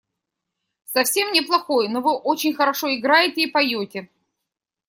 Совсем не плохой, но вы очень хорошо играете и поете.